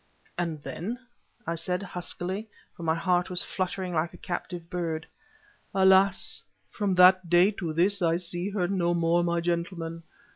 "And then?" I said, huskily for my heart was fluttering like a captive bird. "Alas! from that day to this I see her no more, my gentlemen.